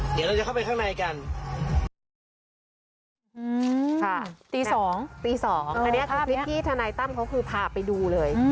เดี๋ยวเราจะเข้าไปข้างในกันค่ะตีสองตีสองอันนี้คือคลิปที่ทนายตั้มเขาคือพาไปดูเลย